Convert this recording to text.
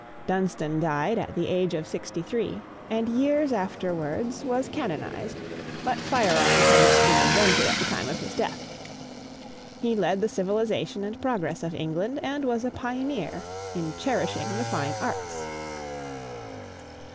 Dunstan died at the age of sixty three, and years afterwards was canonized; but firearms had not been invented at the time of his death. He led the civilization and progress of England, and was a pioneer in cherishing the fine arts.